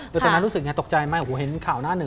โดยตอนนั้นรู้สึกไงตกใจไหมโอ้โหเห็นข่าวหน้าหนึ่ง